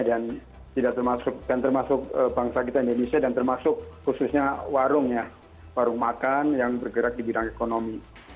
dan termasuk bangsa kita indonesia dan termasuk khususnya warungnya warung makan yang bergerak di bidang ekonomi